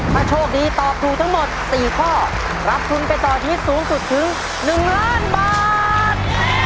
ถ้าโชคดีตอบถูกทั้งหมด๔ข้อรับทุนไปต่อชีวิตสูงสุดถึง๑ล้านบาท